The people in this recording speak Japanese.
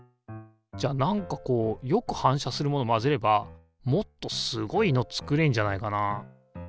じゃあなんかこうよく反射するもの混ぜればもっとすごいの作れんじゃないかな。